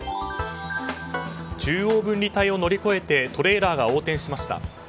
中央分離帯を乗り越えてトレーラーが横転しました。